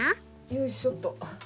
よいしょっと。